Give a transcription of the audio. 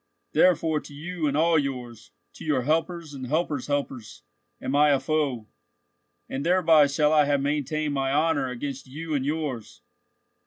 Therefore to you and all yours, to your helpers and helpers' helpers, am I a foe. And thereby shall I have maintained my honour against you and yours.